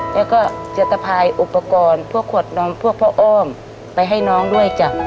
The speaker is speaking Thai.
แล้วก็จะตะพายอุปกรณ์พวกขวดนมพวกพ่ออ้อมไปให้น้องด้วยจ้ะ